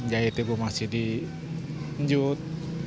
jahitnya gue masih di njut